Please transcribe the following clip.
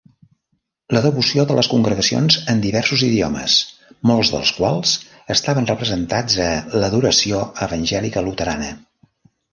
La devoció de les congregacions en diversos idiomes, molts dels quals estaven representats a "l'adoració evangèlica luterana".